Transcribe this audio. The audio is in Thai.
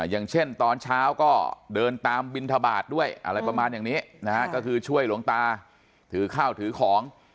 อย่างเช่นตอนเช้าก็เดินตามบินทบาทด้วยอะไรประมาณอย่างนี้นะฮะก็คือช่วยหลวงตาถือข้าวถือของ